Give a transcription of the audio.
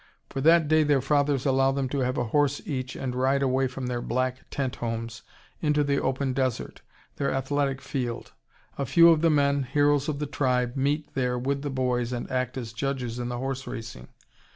For that day their fathers allow them to have a horse each and ride away from their black tent homes into the open desert, their athletic field. A few of the men, heroes of the tribe, meet there with the boys and act as judges in the horse racing.